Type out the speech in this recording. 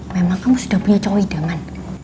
memang kamu sudah punya cowok hidangan